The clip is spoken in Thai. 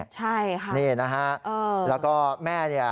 ใช่ค่ะเออแล้วก็แม่เนี่ย